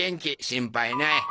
心配ない。